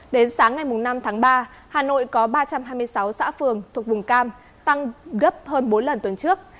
đến sáng ngày năm tháng ba hà nội có ba trăm hai mươi sáu xã phường thuộc vùng cam tăng gấp hơn bốn lần tuần trước